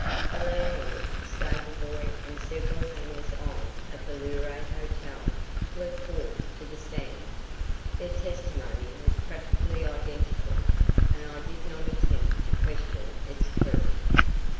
The landlord, stable boy and several hangers on of the Luray Hotel were called to the stand; their testimony was practically identical, and I did not attempt to question its truth.